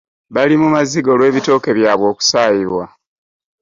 Bali mu maziga olw'ebitooke byabwe okusaayibwa.